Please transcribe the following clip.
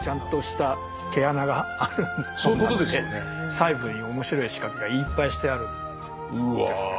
細部に面白い仕掛けがいっぱいしてあるんですね。